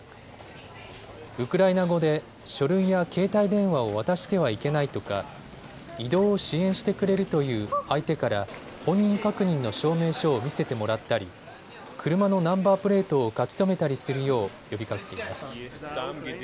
ウクライナ語で書類や携帯電話を渡してはいけないとか移動を支援してくれるという相手から本人確認の証明書を見せてもらったり車のナンバープレートを書き留めたりするよう呼びかけています。